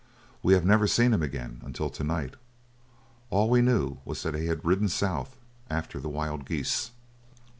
We have never seen him again until to night. All we knew was that he had ridden south after the wild geese."